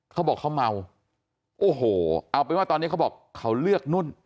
เขาบอกเขาเมาโอ้โหเอาเป็นว่าตอนนี้เขาบอกเขาเลือกนุ่น